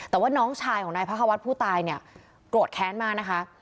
แต่ว่าน้องชายของนายพระควัฒน์ผู้ตายเนี่ยโกรธแค้นมากนะคะ